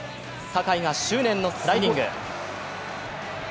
酒井が執念のスライディング。